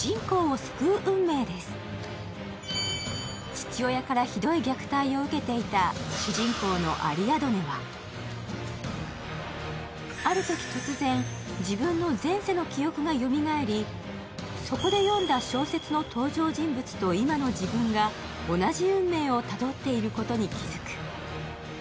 父親からひどい虐待を受けていた主人公のアリアドネはあるとき突然、自分の前世の記憶がよみがえり、そこで読んだ小説の登場人物と今の自分が同じ運命をたどっていることに気づく。